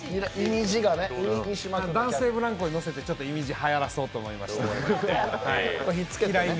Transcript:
男性ブランコにのせて「いみじ」はやらそうと思いまして。